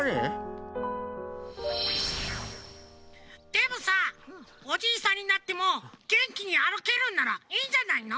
でもさおじいさんになってもげんきにあるけるんならいいんじゃないの？